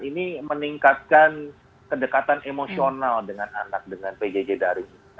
ini meningkatkan kedekatan emosional dengan anak dengan pjj daring